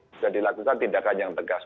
sudah dilakukan tindakan yang tegas